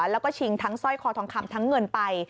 แล้วก็ชิงทั้งสร้อยคอทองคำทั้งเงินไป